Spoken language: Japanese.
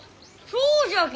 そうじゃき！